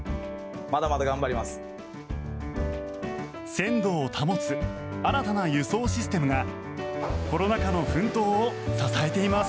鮮度を保つ新たな輸送システムがコロナ禍の奮闘を支えています。